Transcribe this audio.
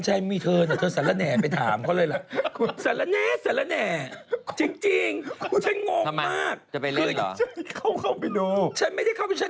ใช่นี่แหละโอ้โหมันกระละเกะละกะปานชะนี้ชิบ